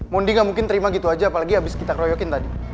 mundi gak mungkin terima gitu aja apalagi abis kita keroyokin tadi